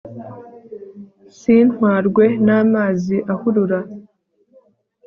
sintwarwe n'amazi ahurura